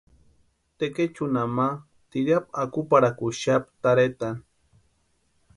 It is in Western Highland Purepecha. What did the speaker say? Tekechunha ma tiriapu akuparhakuxapti tarhetani.